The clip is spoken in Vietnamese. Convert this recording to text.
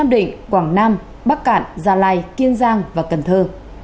tỉnh quảng nam bắc cạn gia lai kiên giang và cần thơ